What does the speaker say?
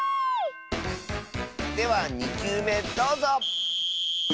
では２きゅうめどうぞ！